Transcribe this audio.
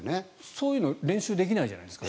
そういうの練習できないじゃないですか。